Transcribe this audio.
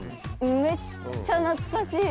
めっちゃ懐かしい。